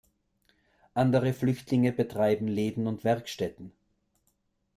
Andere Flüchtlinge betreiben Läden und Werkstätten.